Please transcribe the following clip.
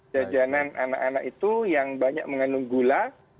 jajanan anak anak itu yang banyak mengandung gula